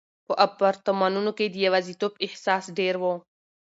په اپارتمانونو کې د یوازیتوب احساس ډېر و.